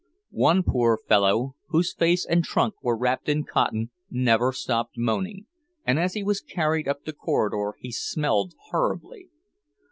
One poor fellow, whose face and trunk were wrapped in cotton, never stopped moaning, and as he was carried up the corridor he smelled horribly.